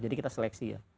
jadi kita seleksi ya